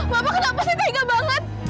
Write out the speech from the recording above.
bapak kenapa sih tega banget